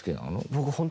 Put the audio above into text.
僕本当